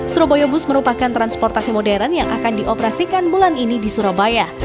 surabaya bus merupakan transportasi modern yang akan dioperasikan bulan ini di surabaya